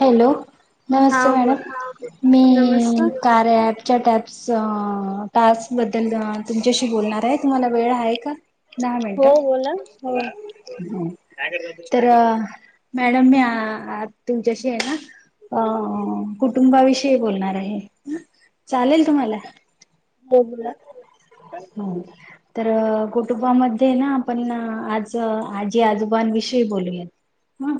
Hello! हा नमस्ते madam बर मी नमस्कार. कॉल. टॅपच्या टॅपस टास्क बद्दल. तुमच्याशी बोलणार आहे. तुम्हाला वेळ आहे का? दहा हो मिनिट. बोला हो हो [unintelligible] तर.. मॅडम मी आ.. तुमच्याशी ना, अ.. कुटुंब. कुटुंबाविषयी बोलणार आहे. चालेल तुम्हाला? हो. बोला. हमं [inaudible] तर कुटुंबामध्ये ना आपण ना आज, आजी आजोबांनविषयी बोलूया. हं..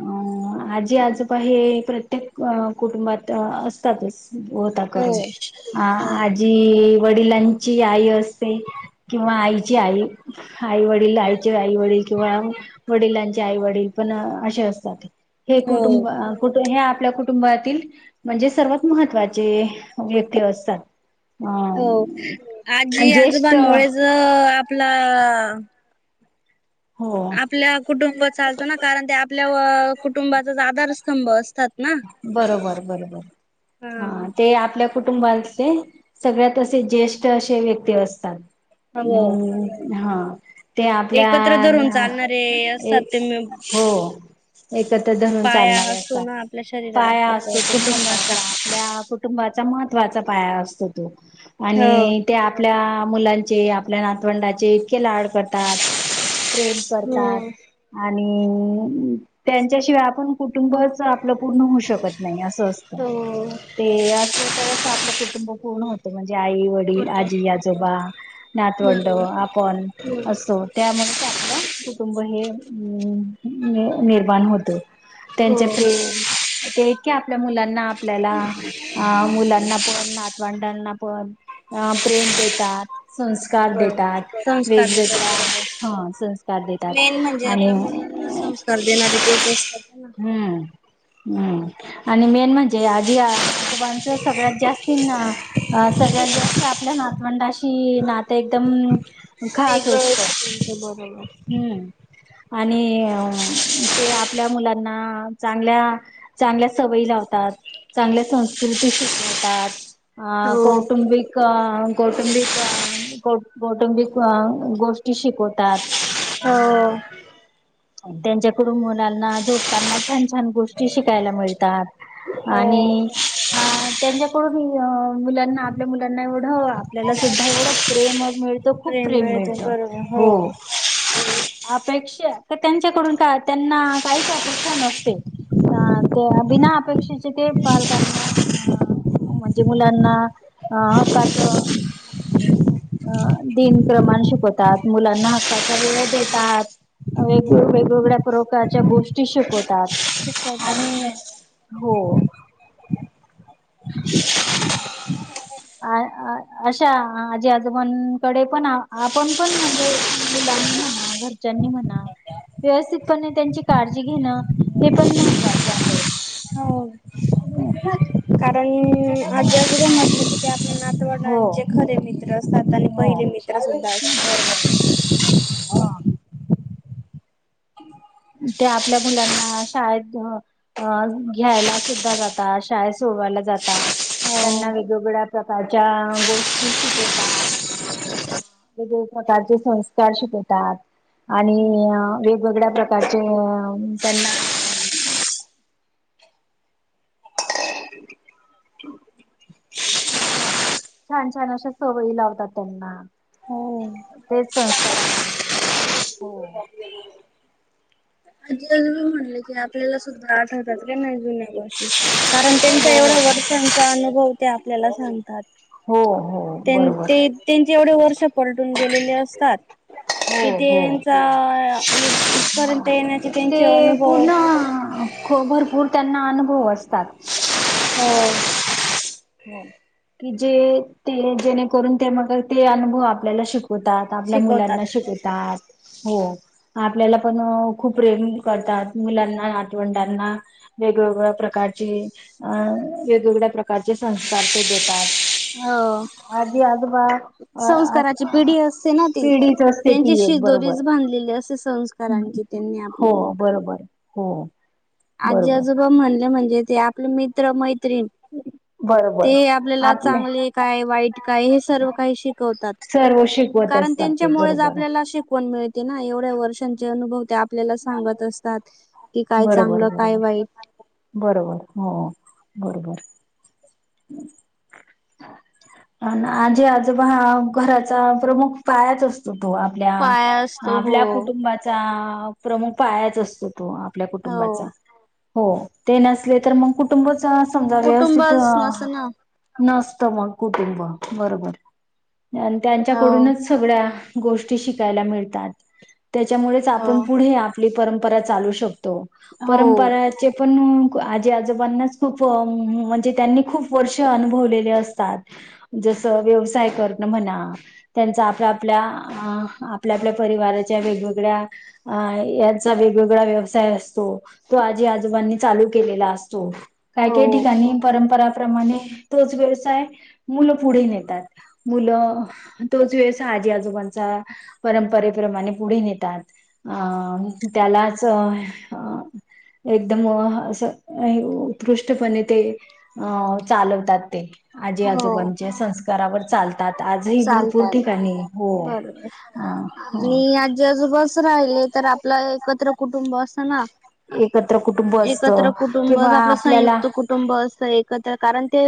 अ आजी आजोबा. हे प्रत्येक कुटुंबात असतातच. होता हो करून आ हो आजी वडिलांची आई असते. किंवा आईचे आई, आई, वडील, आईचे, आई, वडील किंवा. वडिलांचे आई वडील पण, असे असतात हे कुटुंब हो अं.. कुठ हे आपल्या कुटुंबातील. म्हणजे सर्वात महत्त्वाचे व्यक्ती असतात. अ. हो आजी, ज्येष्ठ आजोबांमुळेच.. आपला.. हो आपल्या कुटुंब चालतो ना कारण. ते आपल्या कुटुंबाचाच, आधारस्तंभ असतो. बरोबर. बरोबर. हा. ते आपल्या, कुटुंबातले सगळ्यात असे, ज्येष्ठ असे व्यक्ती असतात. हो मग हा. ते. आपल्या.. एकत्र धरून चालणारे ए असतात ते म हो. एकत्र धरून पाया चालणारे असतो आता. ना आपल्या शरी पाया असतो, तो महवाचा आपल्या. कुटुंबाचा महत्वाचा पाया असतो. तो हो. आणि. ते आपल्या मुलांचे, आपल्या नातवंडाचे इतके लाड करतात [inaudible] प्रेम. करतात, हो आणि त्यांच्याशिवाय आपण कुटुंबच. आपलं पूर्ण होऊ शकत नाही असं असतं. हो ते आता [inaudible] आपलं कुटुंब पूर्ण होतं. म्हणजे आई, वडील. वडील, होत आजी, आजोबा, नातवंड, बरोबर. आपण, असतो. त्यामुळे आपलं, कुटुंब हे निर्माण होते. हो त्यांचे प्रे ते आहेत की, आपल्या मुलांना, आपल्याला, मुलांना पण, [inaudible] वाांडल ना पण. अ प्रेम देतात. संस्कार बरोबर देतात. वेग संस्कार देतात वेगळ्या बरोबर. हा. साथ देतात मेन म्हणजे आणि आपल्या मुलांना संस्कार देणारे तेच असतात ना. हम्म.. हम्म. आणि मेन म्हणजे, आजी आजोबांचे सगळ्यात जास्ती ना. अं सगळ्यात जास्त, आपल्या नातवंडाशी नाते एकदम [inaudible] खा वेगळं सोचतो. असतं [inaudible] आणि... तेे आपल्या मुलांना चांगल्या. चांगल्या सवयी लावतात, चांगल्या संस्कृती शिकवतात. आ. हो कौटुंबिक. कौटुंबिक कौटुंबिक गोष्टी शिकवतात. हो. [inaudible] त्यांच्याकडून मुलांना [inaudible] झोपतांना छान, छान गोष्ट. गोष्टी शिकायला मिळतात. आणि.. हो अ त्यांच्याकडूनही मुलांना आपल्या मुलांना एवढं, आपल्याला सुद्धा, एवढं प्रेम मिळतं, खूप प्रेम मिळतं हो... [inaudible] अपेक्षा त्यांच्याकडून काय? त्यांना [inaudible] काहीच अपेक्षा नसते. हा. ते बिना अपेक्षांचे ते पालकांना [inaudible] आ. म्हणजे? मुलांना अ. हक्काचं. अ दिनक्रमानं शिकवतात मुलांना हक्काचा वेळ देतात वेग, वेगवेगळ्या प्रकारच्या गोष्टी शिकवतात शिकवतात आणि बरोबर [inaudible] हो. [inaudible] [unintelligible] आय [unintelligible] अशा आजी, आजोबांकडे पण, [inaudible] आपण पण म्हणजे मुलांनी म्हणा घरच्या ज्यांनी म्हणा. व्यवस्थितपणे त्यांची काळजी घेणं. हे पण [inaudible] महत्त्वाच आहे. हो. [unintelligible] [inaudible] कारण आजी, आजोबा म्हटलं, की त्या आपल्या हो नातवंडांचे खरे मित्र. [unintelligible] मित्र असतात. आणि हो पहिले मित्र सुद्धा असतात. हा ते आपल्या मुलांना [inaudible] शाळे अ [inaudible] घ्यायला सुद्धा जातात. शाळेत सोडवायला जातात. हो त्यांना वेगवेगळ्या प्रकारच्या गोष्टी शिकवतात. वेगवेगळ्या प्रकारचे, संस्कार शिकवतात. आणि वे वेगवेगळ्या प्रकारचे त्यांना छान, छान अशा सवयी लावतात त्यांना. हो. तेच संस्कार आहे, [inaudible] होय. आजी आजोबा म्हटले की आपल्याला सुद्धा आठवतात नाय नवीन जुन्ये. कारण, त्यांचा हो एवढ्या वर्षांचा अनुभव ते आपल्याला सांगतात. हो हो बरोबर त्यां-त्यांचे एवढे वर्ष पलटून गेलेले असतात. हो ईथे हो च्या इथे इथपर्यंत येण्या ते. पूर्ण खूप, भरपूर त्यांना अनुभव असतात. हो. [inaudible] हो. की जे. ते. जेणे करून ते मग, ते अनुभव आपल्याला शिकवतात. आपल्या शिकवतात. मुलांना शिकवतात. हो. आपल्याला पण, खूप प्रेम करतात. मुलांना, नातवंडांना. वेग, वेगळ्या प्रकारचे अं वेग, वेगळ्या प्रकारचे संस्कार ते देतात. हो.. आजी आजोबा [inaudible] अ संस्काराची पिढी असते, ना ती पिढीच असते त्यांची ती एक बरोबर शिदोरीच बांधलेली असते. असे संस्कार आणि जे त्यांनी हो आपल्याला. बरोबर. हो. आजी बरोबर आजोबाबा म्हणले म्हणजे ते आपले मित्र मैत्रीण ते बरोबर आपल्याला आपले चांगले काय वाईट काय हे सर्व काही शिकवतात. सर्व शिकवत कारण असतात ते त्यांच्यामुळेच बरोबर आपल्याला शिकवण मिळ ते ना, एवढ्या वर्षांचे अनुभव ते आपल्याला सांगत असतात. की बरबर बरबर. बरोबर. हो. बरोबर. [inaudible] आणि आजी, आजोबा हा घराचा प्रमुख पायाचं असतो तो आपल्या पाया असतो हो आपल्या कुटुंबात चा प्रमुख पायाच असतो तो आपल्या हो कुटुंबाचा. हो ते नसले तर मग कुटुंबच समजा व्यवस्थित कुटुंबच नस ना नसत मग कुटुंब बरोबर आणि हो त्यांच्याकडूनच सगळ्या गोष्टी शिकायला मिळतात त्याच्यामुळे हो आपन हे आपली परंपरा चालू शकतो. हो परंपरा या ते पण आजी आजोबांनाच खूप म्हणजे त्यांनी खूप वर्ष अनुभवलेले असतात जसं व्यवसाय करण म्हणा त्यांचा आपल्या आपल्या अ आपल्या आपल्या परिवाराच्या वेगवेगळ्या अ यांचा वेगवेगळा व्यवसाय असतो तो आजी आजोबांनी चालू केलेला असतो. काय हो काय ठिकाणी परंपरा प्रमाणे तोच व्यवसाय मुलं पुढे नेतात मुलं तोच व्यवसाय आजी आजोबांचा, परंपरेप्रमाणे पुढे नेतात. आं त्यालाच एकदम ह अस उ उत्कृष्टपणे ते आव चालवतात ते. आजी हो आजोबांचे संस्कारावर चालतात आजही भरपूर चालतात ठिकाणी हो बरोबर हा. [unintelligible] आणि आजी आजोबास च राहिलेले तर आपलं एकत्र कुटुंब असंत ना. एकत्र कुटुंब असत एकत्र कुटुंब किंवा आपलं आपल्याला संयुक्त कुटुंब अस एकत्र कारण ते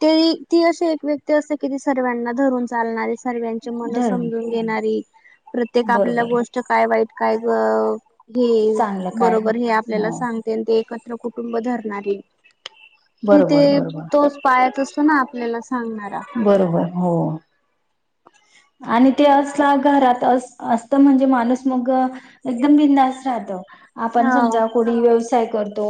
त्याई ती अशी एक व्यक्ती असते की ती सर्वांना धरून चालणारी असते. सर्व्यांचे मनं धरून समजून घेणारी, प्रत्येक आपल्याला बरोबर गोष्ट काय वाईट काय गं हे चांगलं काय हो बरोबर हे आपल्याला हो. सांग एकत्र कुटुंब धरणारी ते बरोबर त बरोबर तोच पाया च पण आपल्याला [unintelligible] सांगणारा बरोबर हो. आणि ते असला घरात अस असत म्हणजे माणूस मग एकदम बिंदास राहत. आपण हो समजा कोणी व्यवसाय करतो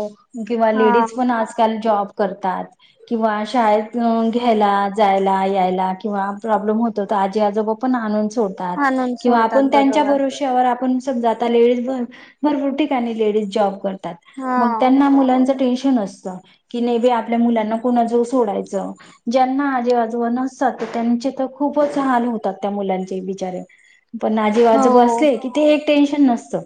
किंवा हा लेडीज पण आजकाल जॉब करतात किंवा शाळेतून घ्यायला, जायला, यायला किंवा प्रॉब्लेम होत त त आजी आजोबा आणून सोडतात आणून किंवा सोडतात आपण त्यांच्या बरोबर भरोशावर त्यावर आपण समजा आता लेडीज भरपूर ठिकाणी लेडीज जॉब करतात. हा मग त्यांना मुलांच टेन्शन असतं की नाही बाई आपल्या मुलांना कोणा जवळ सोडायचं ज्यांना आजीआजोबा नसतात त्यांचे तर खूपच हाल होतात त्या मुलांचे बिचारे पण आजी हो आजोबा अस ते किती हे एक टेन्शन नसतं.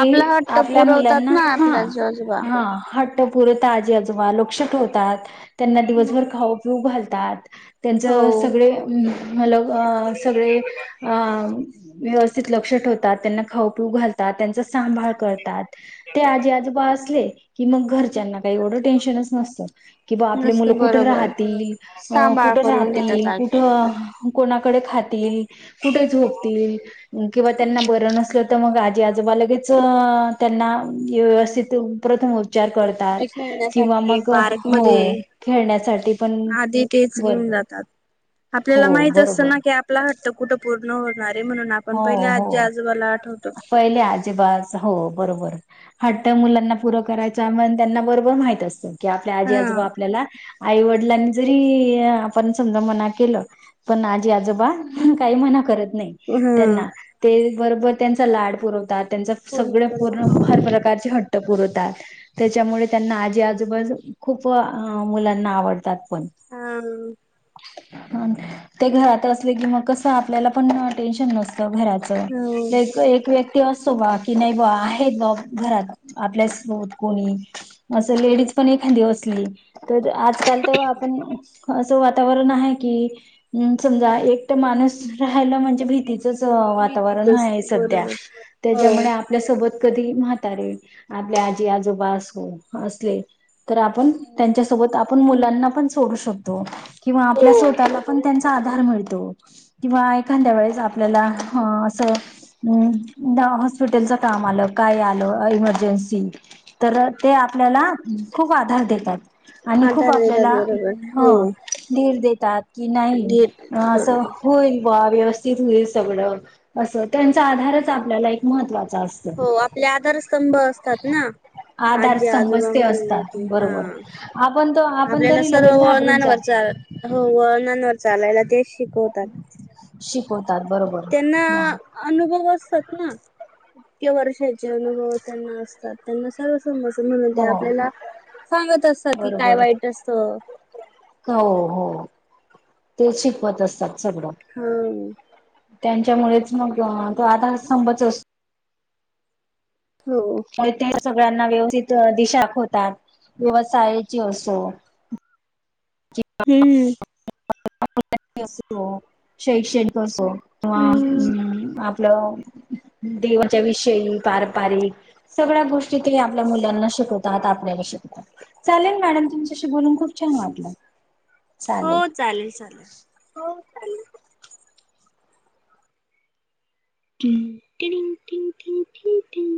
आपला हट्ट आपल्या पुरवतात मुलांना, ना हा आपल्या आजी आजोबा हा हट त पुरी आजी आजोबा लक्ष ठेवतात त्यांना दिवसभर खाऊ पिऊ घालतात. त्यांचं हो सगळे अ ह सगळे अ व्यवस्थित लक्ष ठेवतात त्यांना खाऊ पिऊ घालतात त्यांचा सांभाळ करतात. ते आजी आजोबा असले की मंग घरच्यांना काही एवढं टेन्शनच नसतं. कि बा आपले नसत मुलं कुठं बरोबर राहतील, अ सांभाळ कुठं करून घेतात राहतील आजी आजोबा कुठं? कोणाकडे? खातील कुठे? झोपतील किंवा त्यांना बर नस मग आजी आजोबा लगेच त्यांना व्यवस्थित प्रथम. विचार करतात कुठे किंवा खेळण्यासाठी मग पार्क हो मध्ये खेळण्यासाठी पण आधी तेच घेऊन बरबर. जातात [inaudible] आपल्याला माहित असत ना की आपला हट्ट कुठं पूर्ण होणार आहे म्हणून आ पण हो पहिले आजी, हो. आजोबाला आठवतो. पहिले अजिबाच हो बरोबर. हट्ट मुलांना पुरं करायच म्हण त्यांना बरोबर माहित असतं की आपल्या आजी हा आजोबा आपल्याला. आई वडिलांनी जरी आपण समजा मना केलं. पण आजी आजोबा काही मना करत नाही. हा त्यांना ते बरोबर त्यांचा लाड पुरवतात, त्यांचा सगळं पूर्ण हर प्रकारचे हट्ट. ट्ट पुरवतात. त्याच्यामुळे त्यांना आजी आजोबाच खूप मुलांना आवडतात पण. हाम. ते घरात असले की मग कस? आपल्याला पण टेन्शन नसत घरात. त हो लई क एक व्यक ते असो बा की नाही बा, आहेत बा घरात आपल्यासोत कोणी. असं लेडीज पण एखादी बसली. तर आजकाल तेव आपण असं वातावरण आहे की. हम्म समजा एकट माणूस राहायला म्हणजे भीतीच. भीतीच भीतीच वातावरण आहे असते सध्या, बरोबर हो त्याच्यामुळे आप आपल्या सोबत कधी म्हातारे, आपल्या आजी आजोबा असो असले. तर आपण त्यांच्यासोबत, आपण मुलांना पण, सोडू शकतो किंवा आपल्या हो स्वतःला सुद्धा त्यांचा आधार मिळतो किंवा एखाद्या वेळेस आपल्याला ह असं. हम्म दवा हॉस्पिटलच काम आलं काय आलं इमर्जन्सी तर ते आपल्याला खूप आधार देतात. आणि खूप आधार आपल्याला देतात बरोबर हो धीर देतात. कि नाही असं बरोबर होईल बा व्यवस क होईल सगळं, असं त्यांचा आधारच आपल्याला एक महत्त्वाचा अस हो आपले आधारस्तंभ असतात ना. आधार आजी आजोबा समजते म्हणले असतात की, हा बरोबर आपण तो आपण आपल्याला तरी सर्व लगेच घाबरून जातो. वळनांवरचा हो वळणांवर चालायला तेच शिकवतात. शिकवतात बरोबर. त्यांना ह अनुभव असतात ना, इतक्या वर्षाचे अनुभव त्यांना असतात. त्यांना सर्व समजत म्हणून ते हो आपल्याला सांगत असतात की काय वाईट असतं. का हो हो, तेच शिकवत असतात सगळं. हम्म. त्यांच्यामुळे मग, तो आधारस्तंभच अस हो. हो ते सगळ्यांना व्यवस्थित दिशा दाखवतात. व्यवसायाची असो. हम्म [unintelligible] असो, शैक्षिणक असो, किंवा हम्म अं आप आपलं देवाच्या विषयी पारपारिक. सगळ्या गोष्टी ते आपल्या मुलांना शिकवतात, आपल्याला शिकवतात, चालेल मॅडम तुमच्याशी बोलून खूप. छान वाटलं. हो चालेल चालेल. हो. चालेल.. टम.